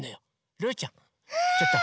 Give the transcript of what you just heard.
ルーちゃんちょっと。